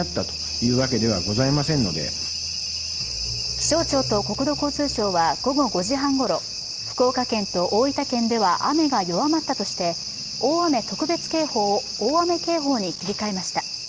気象庁と国土交通省は午後５時半ごろ、福岡県と大分県では雨が弱まったとして、大雨特別警報を大雨警報に切り替えました。